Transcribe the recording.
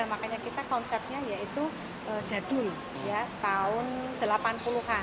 makanya kita konsepnya yaitu jadul tahun delapan puluh an